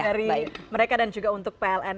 dari mereka dan juga untuk pln